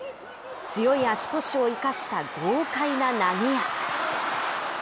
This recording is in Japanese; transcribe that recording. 強い足腰を生かした豪快な投げや。